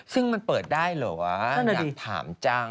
ซึ่งมันเปิดได้เหรอวะอยากถามจัง